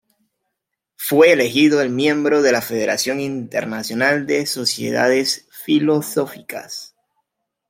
Fue elegido el miembro de La Federación Internacional de Sociedades Filosóficas.